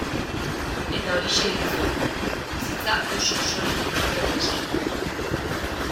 Eta horixe egin zuen: bizitza oso-osorik pinturari eskaini.